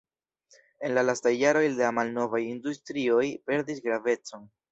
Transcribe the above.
En la lastaj jaroj la malnovaj industrioj perdis gravecon.